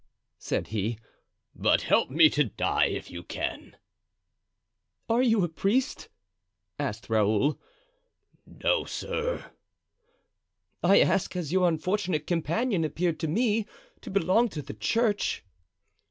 said he, "but help me to die, if you can." "Are you a priest?" asked Raoul. "No sir." "I ask, as your unfortunate companion appeared to me to belong to the church."